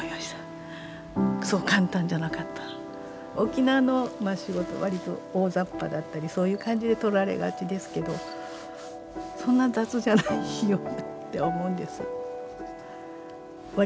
沖縄の仕事割と大ざっぱだったりそういう感じでとられがちですけどそんな雑じゃないよなって思うんです。